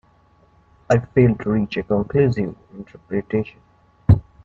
I failed to reach a conclusive interpretation.